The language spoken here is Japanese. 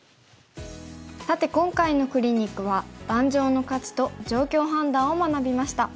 さて今回のクリニックは盤上の価値と状況判断を学びました。